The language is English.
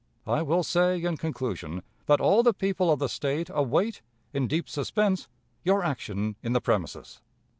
"I will say, in conclusion, that all the people of the State await, in deep suspense, your action in the premises.